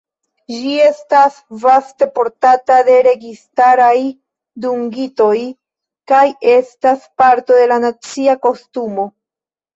Ĝi estas vaste portata de registaraj dungitoj, kaj estas parto de la nacia kostumo.